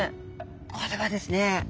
これはですね